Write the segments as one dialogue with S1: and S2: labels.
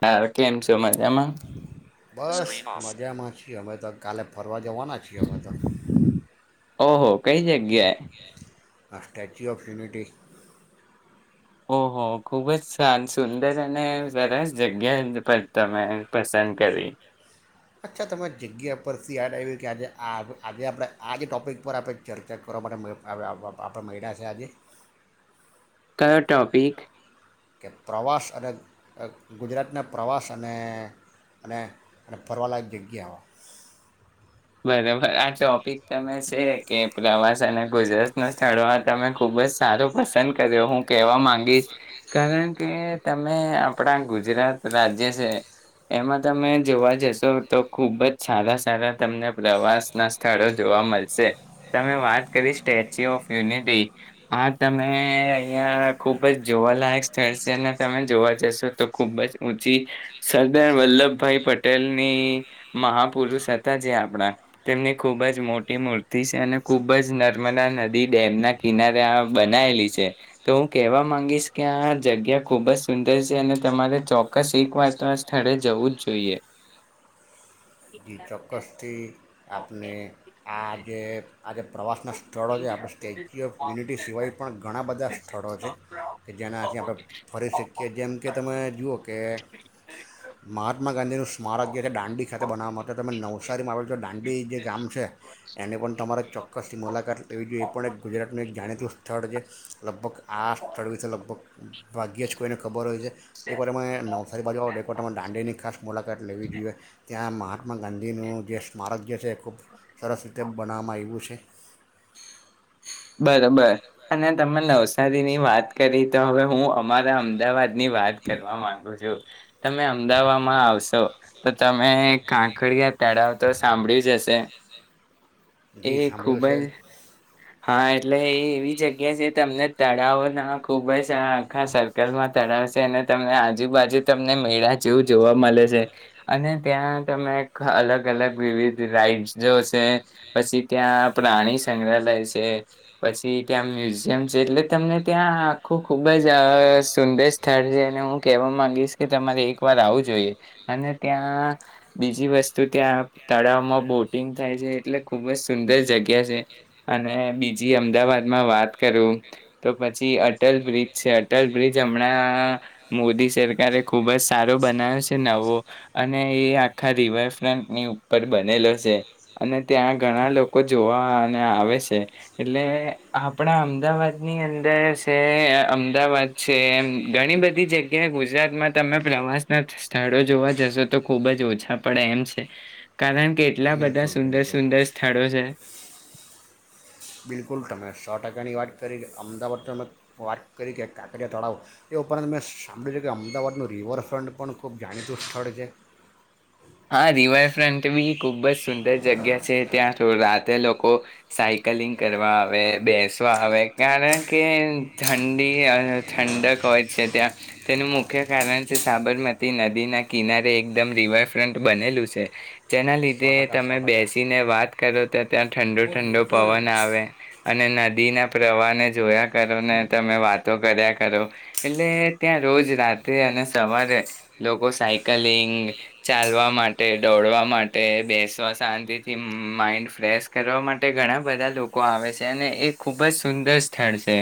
S1: હા કેમ છો મજામાં
S2: હા મજામાં છી અમે તો કાલે ફરવા જવાના છએ અમે તો
S1: ઓહ કઈ જગ્યા એ
S2: સ્ટેચ્યુ ઓફ યુનિટી
S1: ઓહ ખૂબ જ શંત સુંદર અને સરસ જગ્યા પર તમે પસંદ કરી
S2: અચ્છા તમે જગ્યા પરથી યાદ આવ્યું કે આજે આજે આપણે આજ ટોપિક પર આપણે ચર્ચા કરવા માટે આપણે મળ્યા છે આજે
S1: કયો ટોપિક
S2: કે પ્રવાસ અને ગુજરાતના પ્રવાસ અને અને અને ફરવાલાયક જગ્યાઓ
S1: બરાબર આ ચોપિક તમે છે કે પ્રવાસ અને ગુજરાતના સ્થળોમાં તમે ખૂબ જ સારો પસંદ કર્યો હું કહેવા માગીશ કારણ કે તમે આપણા ગુજરાત રાજ્ય છે એમાં તમે જોવા જશો તો ખૂબ જ સારા સારા તમને પ્રવાસના સ્થળો જોવા મળશે તમે વાત કરી સ્ટેચ્યુ ઓફ યુનિટી આ તમે અહિયાં ખુબ જ જોવાલાયક સ્થળ છે અને તમે જોવા જશો તો ખુબ જ ઊંચી સરદાર વલ્લભભાઈ પટેલ ની મહાપુરુષ જે આપણા તેમની ખૂબ જ મોટી મૂર્તિ છે અને ખૂબ જ નર્મદા નદી ડેમના કિનારે આ બનાયેલી છે તો હું કહેવા માંગીશ કે આ જગ્યા ખૂબ જ સુંદર છે અને તમારે ચોક્કસ એક વાર તો આ સ્થળે જવું જ જોઈએ
S2: [inaudible] કષથી આપને આજે આ જે પ્રવાસના સ્થળો છે આપણે સ્ટેચ્યુ ઓફ યુનિટી સિવાય પણ ઘણા બધા સ્થળો છે કે જેનાથી આપણે ફરી શકીએ જેમ કે તમે જુઓ કે મહાત્મા ગાંધીનું સ્મારક જે છે દાંડી ખાતે બનાવવામાં આ તળવીથી લગભગ ભાગ્યે જ કોઈને ખબર હોય છે. એક વાર અમે નવસારી બાજુ એક વાર અરે દાંડેની ખાસ મુલાકાત લેવી જોઈએ માર્ક માં ગાંધીનું જે સ્મારક જે છે એ ખૂબ સરસ રીતે બનાવવામાં આવ્યું છે.
S1: બરોબર અને તમે નવસારીની વાત કરી તો હવે હું અમારા અમદાવાદની વાત કરવા માંગુ છું તમે અમદાવાદમાં આવશો તો તમે કાંકડીયા તળાવ તો સાંભળ્યું હશે
S2: જી સાંભળ્યું છે.
S1: હા એટલે એ એવી જગ્યા છે તમને તળાવોના ખુબ જ આખા સર્કલમાં તળાવ છે અને તમને આજુબાજુ તમને મેળા જેવું જોવા મળે છે અને ત્યાં તમે અલગ અલગ વિવિધ રાઈડ જોશે પછી ત્યાં પ્રાણી સંગ્રહાલય પછી ત્યાં મ્યુઝિયમ છે એટલે તમને ત્યાં આખું ખુબ જ સુંદર સ્થળ છે અને હું કેહેવા માંગીશ કે તમારે એક વાર આવું જોઈએ અને ત્યાં બીજી વસ્તુ ત્યાં તળાવમાં બોટિંગ થાય છે એટલે ખુબ જ સુંદર જગ્યા છે. અને બીજી અમદાવાદમાં વાત કરું તો પછી અટલ બ્રિજ છે અટલ બ્રિજ હમણાં મોદી સરકારે ખૂબ જ સારો બનાવ્યો છે નવો અને એ આખા રિવરફ્રન્ટની ઉપર બનેલો છે અને ત્યાં ઘણા લોકો જોવા અને આવે છે એટલે આપણા અમદાવાદની અંદર છે અમદાવાદ છે એમ ઘણી બધી જગ્યાએ ગુજરાતમાં તમે પ્રવાસ ના સ્થળો જોવા જશો તો ખુબ જ ઓછા પડે એમ છે કારણ કેટલા બધા સુંદર સુંદર સ્થળો છે.
S2: બિલકુલ તમે સો ટકાની વાત કરી કે અમદાવાદ તો તમે વાત કરી કે કાંકરિયા તળાવો એ ઉપરાંત મેં સાંભળ્યું છે કે અમદાવાદનું રિવરફ્રન્ટ પણ ખૂબ જાણીતું સ્થળ છે.
S1: હા રિવરફ્રન્ટ બી ખૂબ જ સુંદર જગ્યા છે ત્યાં રાતે લોકો સાયકલિંગ કરવા આવે બેસવા આવે કારણ કે ઠંડી ઠંડક હોય છે ત્યાં તેનું મુખ્ય કારણ છે સાબરમતી નદીના કિનારે એકદમ રિવર ફ્રન્ટ બનેલું છે. જેના લીધે તમે બેસીને વાત કરો તયા ત્યાં ઠંડો ઠંડો પવન આવે અને નદીના પ્રવાહને જોયા કરો ને તમે વાતો કર્યા કરો એટલે ત્યાં રોજ રાત્ર અને સવારે લોકો ચાલવા માટે દોડવા માટે બેસવા શાંતિથી માઈન્ડ ફ્રેશ કરવા માટે ઘણા બધા લોકો આવે છે અને એ ખૂબ જ સુંદર સ્થળ છે.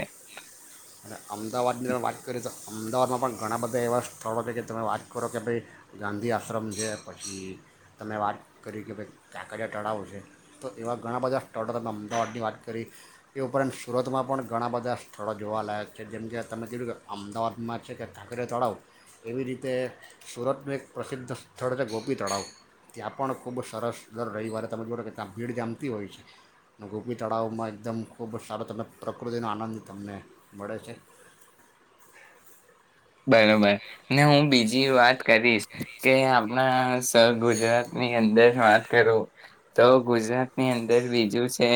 S2: અમદાવાદની વાત કરીએ તો અમદાવાદમાં પણ ઘણા બધા એવાં સ્થળો છે કે તમે વાત કરો કે ભાઈ ગાંધી આશ્રમ છે પછી તમે વાત કરી કે ભાઈ ક્યાં કજા તળાવો છે તો એવા ઘણાં બધા સ્થળો તમે અમદાવાદની વાત કરી એ ઉપરાંત સુરતમાં પણ ઘણાં બધા સ્થળો જોવાલાયક છે જેમ કે તમે જોધું કે અમદાવાદમાં છે કે કાંકરે તળાવ એવી રીતે સુરતનું એક પ્રસિદ્ધ સ્થળ છે ગોપી તળાવ ત્યાં પણ ખૂબ જ સરસ રવિવારે તમે જોઓને કે ત્યાં ભીડ જામતી હોય છે અને ગોપી તળાવમાં એકદમ ખૂબ જ સારો તને પ્રકૃતિનો આનંદ તમને ભારે છે.
S1: બરોબર ને હું બીજી વાત કરીશ કે આપણા સ ગુજરાતની અંદર વાત કરું તો ગુજરાતની અંદર બીજું છે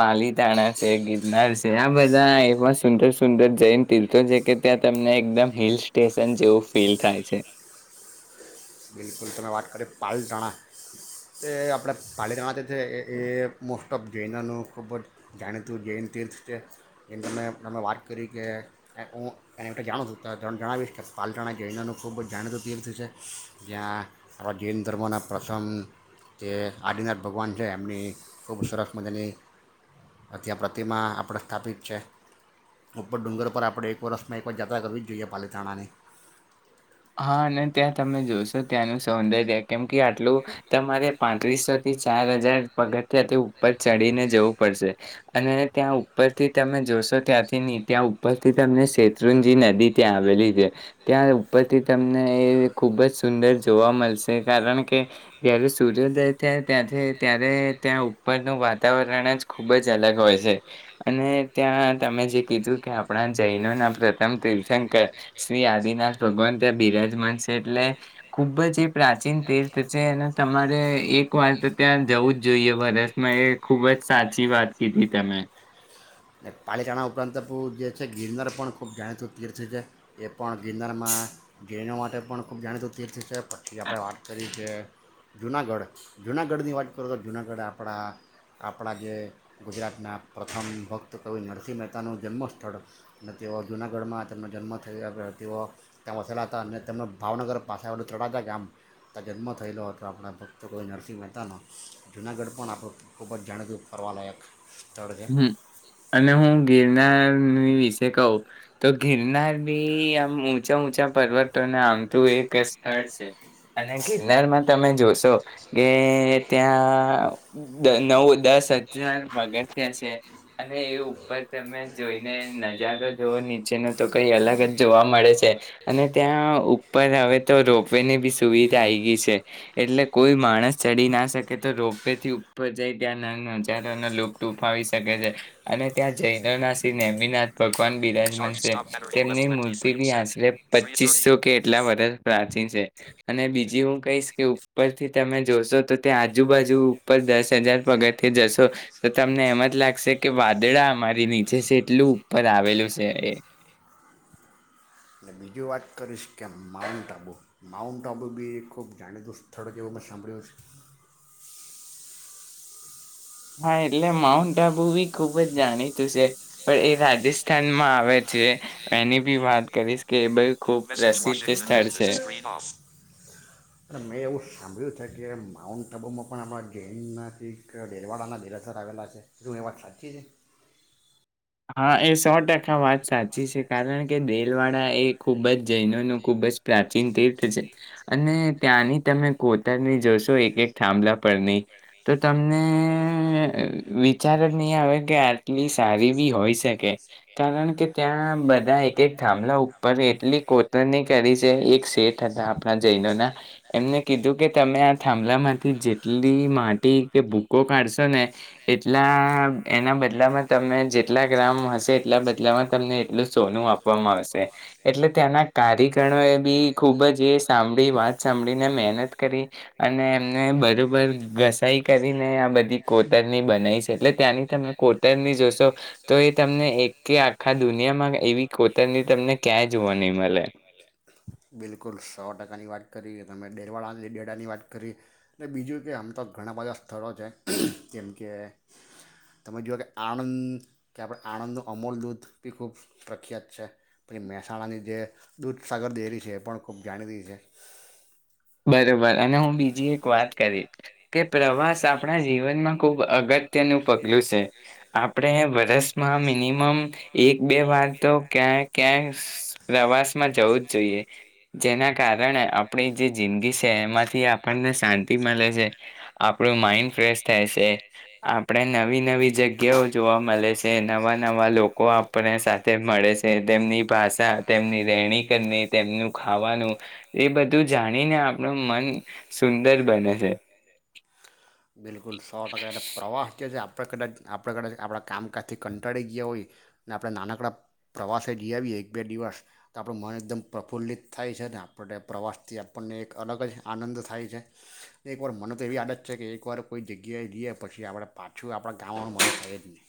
S1: પાલીતાણા છે ગિરનાર છે આ બધા એવા સુંદર સુંદર જૈન તીર્થો છે કે ત્યાં તમને એકદમ હિલ સ્ટેશન જેવું ફીલ થાય છે.
S2: બિલકુલ તમે વાત કરી પાલટણા તે આપણે પાલીતાણા તો છે એ મોસ્ટ ઓફ જૈનનું ખૂબ જ જાણીતું જૈન તીર્થ છે એની ત તમે વાત કરી કે હું એના જાણું છું તો ત જણાવીશ કે પાલટણા જૈનનું ખૂબ જ જાણીતું તીર્થ છે. જ્યાં આપણા જૈન ધર્મના પ્રથમ તે આદિનાથ ભગવાન છે એમની ખૂબ સરસ મજાની ત્યાં પ્રતિમા આપણે સ્થાપિત છે ઉપર ડુંગર પર આપણે એક વર્ષમાં એક જ જાત્રા કરવી જ જોઈએ પાલીતાણાની
S1: હા અને ત્યાં તમે જોશો ત્યાંનું સૌંદર્ય કેમ કે આટલું તમારે પાંત્રીસો થી ચાર હજાર પગથ્યાંથી ઉપર ચડીને જવું પડશે અને ત્યાં ઉપરથી તમે જોશો ત્યાંથી નહી ત્યાં ઉપરથી તમને શેત્રુંજી નદી ત્યાં આવેલી છે ત્યાં ઉપરથી તમને એ ખૂબ જ સુંદર જોવા મળશે કારણ કે જ્યારે સૂર્યોદય થાય ત્યાંથી ત્યારે ત્યાં ઉપરનું વાતાવરણ જ ખૂબ જ અલગ હોય છે અને ત્યાં તમે જે કીધું કે આપણા જૈનોના પ્રથમ તીર્થંકર શ્રી આદિનાથ ભગવાન ત્યાં બિરાજમાન છે એટલે ખૂબ જ એ પ્રાચીન તીર્થ છે અને તમારે એક વાર તો ત્યાં જવું જ જોઈએ વરસમાં એ ખૂબ જ સાચી વાત કીધી તમે
S2: પાલીતાણા ઉપરાંત જે છે ગિરનાર પણ ખૂબ જાણીતું તીર્થ છે એ પણ ગિરનારમાં જીરનો માટે પણ ખૂબ જાણીતું તીર્થ છે પછી આપણે વાત કરી છે જૂનાગઢ જૂનાગઢની વાત કરું તો જૂનાગઢ આપણા આપણા જે ગુજરાતના પ્રથમ ભક્ત તો કવઈ નરસિંહ મહેતાનું જન્મ સ્થળ અને તેઓ જૂનાગઢમાં તેમનો જન્મ થયેલા તેઓ ત્યાં વસેલા હતા અને તેમના ભાવનગર પાસે આવેલું તડાદા ગામ ત્યાં જન્મ થયેલો હતો આપણા ભક્તો કવઈ નરસિંહ મહેતાનો જૂનાગઢ પણ આપણું ખૂબ જ જાણીતું ફરવાલાાયક [inaudible]
S1: અને હું ગિરનારની વિશે કહું તો ગિરનાર બી આમ ઊંચા ઊંચા પર્વતોને આમતું એક સ્થળ છે અને ગિરનારમાં તમે જોશો કે ત્યાં નવ દસ હજાર પગ અને એ ઉપર તમે જોઈને નજારો જોવો નીચેનો તો કઈ અલગ જ જોવા મળે છે અને ત્યાં ઉપર હવે તો રોપવે ની બી સુવિધા આ ગઈ છે એટલે કોઈ માણસ ચડી ના શકે તો રોપવે થી ઉપર જઈ ત્યાં નજારાનો તૂફાવી શકે છે અને ત્યાં જૈદના શિ નમીનાથ ભગવાન બિરા તેમની મૂર્તિ બી આશરે પચીસો કે એટલા વધારે પ્રાચીન છે અને બીજી હું કહીશ કે ઉપરથી તમે જોશો તો ત્યાં આજુબાજુ ઉપર દસ હજાર પગાટે જશો તો તમને એમ જ લાગશે કે વાદળા અમારી નીચે છે એટલું ઉપર આવેલું છે એ
S2: બીજું વાત કરીશ કે માઉન્ટ આબુ માઉન્ટ આબુ બી એ ખૂબ જાણીતું સ્થળ જેવું મેં સાંભળ્યું છે
S1: હા એટલે માઉન્ટ આબુ બી ખુબ જ જાણીતું છે પણ એ રાજસ્થાનમાં આવે છે એની બી વાત કરીશ કે બી
S2: મેં એવું સાંભળ્યું છે કે માઉન્ટ આબુમાં પણ આપણા જૈનનાથી દેલવાડા ના દેવાસર આવેલા છે શું એ વાત સાચી છે
S1: હા એ સો ટકા વાત સાચી છે કારણ કે દેલવાડા એ ખૂબ જ જૈનો ન ખૂબ જ પ્રાચીન તીર્થ છે અને ત્યાંની તમે કોતરની જોશો એક એક થાંભલા પર નહી તો તમને વિચાર જ નહીં આવે કે આટલી સારી હોય શકે કારણ કે ત્યાં બધા એક એક થાંભલા ઉપર એટલી કોતરણી કરી છે એક સેટ હતા આપણા જૈનો ના એમને કીધું કે તમે આ થાંભલામાંથી જેટલી માટી કે ભૂકો કાઢશો ને એટલા એના બદલામાં તમે જે એલા ગ્રામ હશે એટલા બદલામાં તમને એટલું સોનું આપવામાં આવશે એટલે ત્યાંના કારીકરણો એ બી ખુબ જ એ સાંભળી વાત સાંભળીને મહેનત કરી અને એમને બરોબર
S2: બરોબર ધસાઈ કરીને આ બધી કોતરની બનાવી છે એટલે ત્યાંની તમે કોતર ની જોશો તો તમને એક કે આ દુનિયામાં એવી કોતની તમને ક્યા બિલકુલ સો ટકાની વાત કરી તમે દેલવાડા દેડાની વાત કરી અને બીજું કે આમ તો ઘણાં બધા સ્થળો છે જેમકે તમે જુઓ કે આણંદ કે આપણે આણંદનું અમૂલ દૂધ બી ખૂબ પ્રખ્યાત છે પછી મહેસાણાની જે દૂધસાગર ડેરી છે એ પણ ખૂબ જાણીતી છે
S1: બરોબર અને હું બીજી એક વાત કરીશ કે પેલા [unintelligible] આપણા જીવનમાં ખૂબ અગત્યનું પગલું છે આપણે વર્ષમાં મિનિમમ એક બે વાર તો ક્યાંય ક્યાંય પ્રવાસમાં જવું જ જોઈએ જેના કારણે આપણી જે જિંદગી છે એમાંથી આપણને શાંતિ મળે છે આપણુ માઇન્ડ ફ્રેશ થાય છે આપણે નવી નવી જગ્યાઓ જોવા મળે છે નવા નવા લોકો આપણ સાથે મળે છે તેમની ભાષા તેમની રહેણી કરની તેમનું ખાવાનું એ બધું તું જાણીને આપણું મન સુંદર બને છે
S2: બિલકુલ સો ટકા એટલે પ્રવાસ છે આપ આપણા કદાચ આપણે કદાચ આપણા કામકાજથી કંટાળી ગયા હોય ને આપણે નાનકડા પ્રવાસે જઈ આવીએ એક બે દિવસ તો આપણું મન એકદમ પ્રફુલ્લિત થાય છે ને આપણે પ્રવાસથી આપણને એક અલગ જ આનંદ થાય છે એકવાર મને તો એવી આદત છે કે એક એકવાર કોઈ જગ્યાએ જઈએ પછી આપણે પાછું આપણા ગામવાનું મળે જ નહીં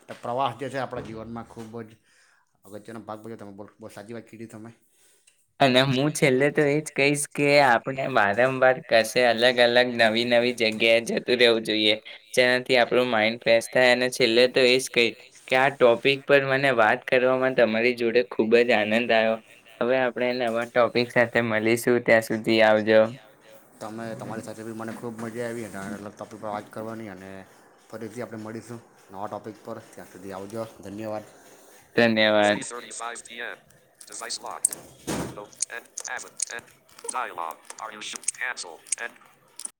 S2: એટલે પ્રવાસ જે છે આપણા જીવનમાં ખૂબ જ અગત્યનો ભાગ ભજે તમે સાચી વાત કીધ તમે
S1: અને હું છેલ્લે તો એજ કહીશ કે આપણે વારંવાર કશે અલગ અલગ નવી નવી
S2: નવી નવી જગ્યાએ જતું રેવું જોઈએ જેનાથી આપણું માઈન્ડ ફ્રેશ થાય અને છેલ્લે તો એ જ કહી કે આ ટોપિક પર મને વાત કરવામાં તમારી જોડે ખુબ જ આંનદ આવ્યો
S1: આપણે નવા ટોપિક સાથે મળીશું ત્યાં સુધી આવજો
S2: મજા આવી અને અલગ ટોપિક પર વાત કરવાની અને ફરીથી આપણે મળીશું નવા ટૉપિક પર ત્યાં સુધી આવજો ધન્યવાદ
S1: ધન્યવાદ
S2: [unintelligible]